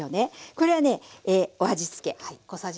これはねお味つけ。